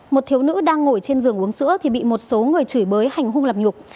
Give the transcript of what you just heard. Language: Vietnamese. một thiếu nữ đang ngồi trên giường uống sữa thì bị một số người chửi bới hành hung lập nhục